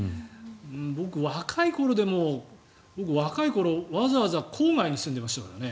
僕、若い頃でもわかい頃、わざわざ郊外に住んでいましたからね。